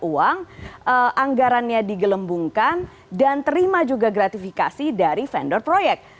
uang anggarannya digelembungkan dan terima juga gratifikasi dari vendor proyek